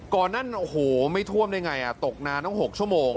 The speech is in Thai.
ก่อนนั้นไม่ถ่วมได้อย่างไรตกนานต้อง๖ชั่วโมง